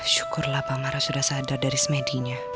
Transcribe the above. syukurlah bang mara sudah sadar dari semedinya